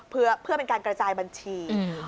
เพื่อเป็นการกระจายบัญชี